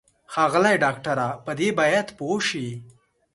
ښاغلی ډاکټره په دې باید پوه شې.